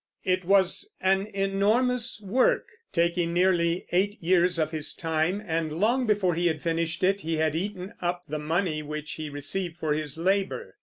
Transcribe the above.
It was an enormous work, taking nearly eight years of his time, and long before he had finished it he had eaten up the money which he received for his labor.